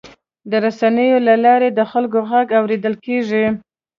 د رسنیو له لارې د خلکو غږ اورېدل کېږي.